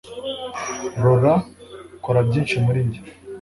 Laura kora byinshi muri njye